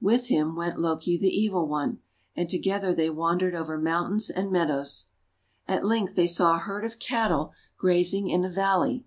With him went Loki the Evil One, and together they wandered over mountains and meadows. At length they saw a herd of cattle grazing in a valley.